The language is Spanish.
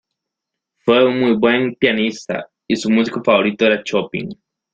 Fue un muy buen pianista y su músico favorito era Chopin.